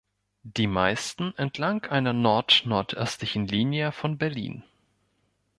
Die meisten entlang einer nord-nordöstlichen Linie von Berlin.